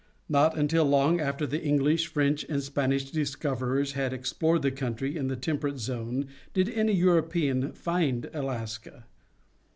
Not until long after the English, French, and Spanish discoverers had explored the country in the Temperate Zone did any European find Alaska.